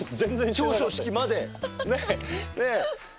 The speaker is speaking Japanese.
表彰式まで。